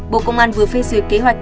bộ công an vừa phê duyệt kế hoạch